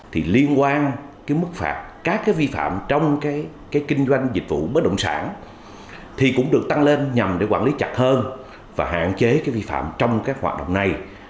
thì liên quan cái mức phạt các cái vi phạm trong cái kinh doanh dịch vụ bất động sản thì cũng được tăng lên nhằm để quản lý chặt hơn và hạn chế cái vi phạm trong các hoạt động này